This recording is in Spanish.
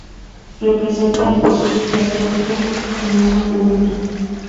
Representa a Jesús yacente en una urna.